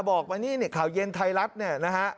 บอกมานี่เนี่ยข่าวเย็นไทยรัฐเนี่ยนะฮะ